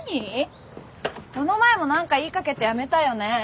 この前も何か言いかけてやめたよね？